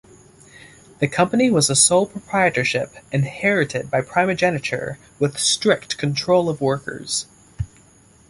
The company was a sole proprietorship, inherited by primogeniture, with strict control of workers.